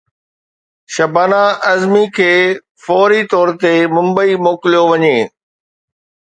شبانه اعظمي کي فوري طور تي ممبئي موڪليو وڃي